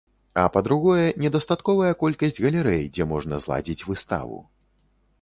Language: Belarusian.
А па-другое, недастатковая колькасць галерэй, дзе можна зладзіць выставу.